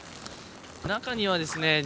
中にはですね